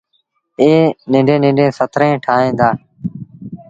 ائيٚݩ ننڍيٚݩ ننڍيٚݩ سٿريٚݩ ٺاهيݩ دآ۔